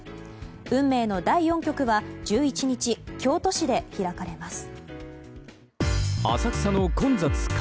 運命の第４局は１１日、京都市で開かれます。